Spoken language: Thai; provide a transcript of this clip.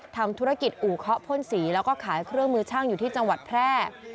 ทำธุรกิจอู่เคาะพ่นสีแล้วก็ขายเครื่องมือช่างอยู่ที่จังหวัดแพร่